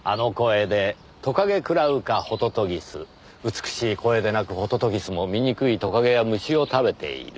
美しい声で鳴くホトトギスも醜いトカゲや虫を食べている。